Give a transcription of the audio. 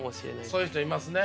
そういう人いますね。